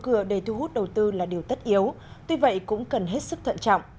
mở cửa để thu hút đầu tư là điều tất yếu tuy vậy cũng cần hết sức thận trọng